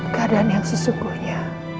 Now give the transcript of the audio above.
keadaan yang sesungguhnya